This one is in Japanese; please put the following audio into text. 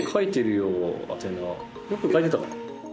よく書いてた。